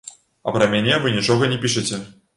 А пра мяне вы нічога не пішыце.